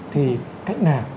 thì cách nào